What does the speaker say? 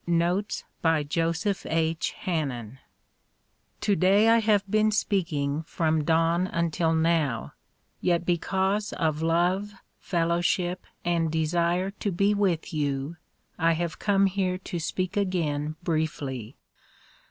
Notes by Joseph H. Hannen T^ODAY 1 have been speaking from dawn until now, yet because * of love, fellowship and desire to be with you, I have come here to speak again briefly.